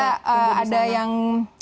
kita ada yang